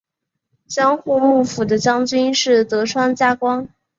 江户幕府的将军是德川家光。